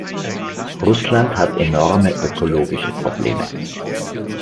Russland hat enorme ökologische Probleme.